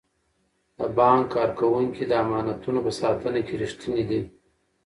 د بانک کارکوونکي د امانتونو په ساتنه کې ریښتیني دي.